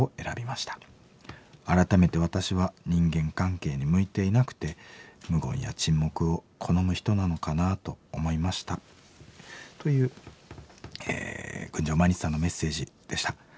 改めて私は人間関係に向いていなくて無言や沈黙を好む人なのかなと思いました」というグンジョウマイニチさんのメッセージでした。